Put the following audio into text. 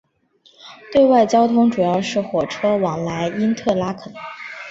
对外交通主要是火车往来因特拉肯。